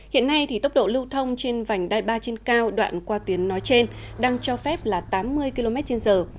hiện nay thì tốc độ lưu thông trên vành đai ba trên cao đoạn qua tuyến nói trên đang cho phép là tám mươi km trên giờ